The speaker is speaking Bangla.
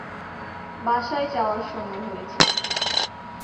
বাসায় যাওয়ার সময় হয়েছে।